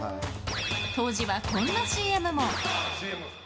当時は、こんなＣＭも。